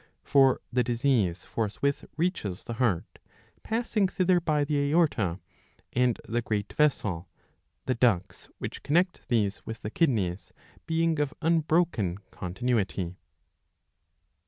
For the disease forthwith reaches the heart, passing thither by the aorta and the great vessel, the ducts which connect these with the kidneys being of unbroken continuity.